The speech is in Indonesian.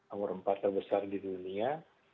nomor empat terbesar di dunia